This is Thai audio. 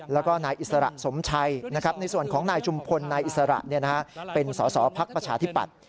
แล้วก็นายอิสระสมชัยในส่วนของนายชุมพลนายอิสระเป็นสอสอพักประชาธิปัตย์